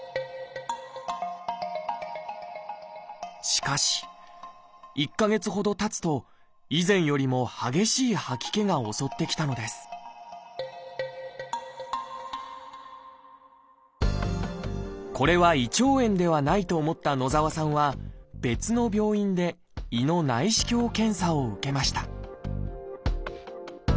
しかし１か月ほどたつと以前よりも激しい吐き気が襲ってきたのですこれは胃腸炎ではないと思った野澤さんは別の病院で胃の内視鏡検査を受けました